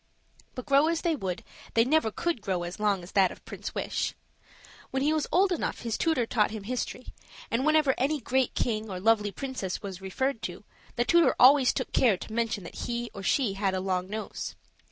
But grow as they would, they never could grow as long as that of Prince Wish. When he was old enough his tutor taught him history; and whenever any great king or lovely princess was referred to, the tutor always took care to mention that he or she had a long nose.